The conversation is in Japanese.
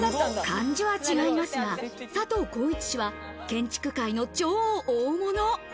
漢字は違いますが、佐藤功一氏は建築界の超大物。